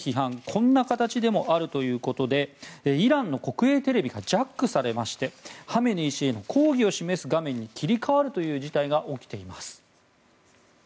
こんな形でもあるということでイランの国営テレビがジャックされましてハメネイ師への抗議を示す画面に切り替わるという事態が起きています。